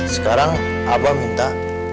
sekarang abah minta